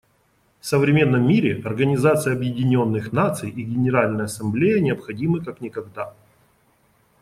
В современном мире Организация Объединенных Наций и Генеральная Ассамблея необходимы как никогда.